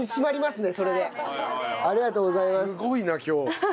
すごいな今日。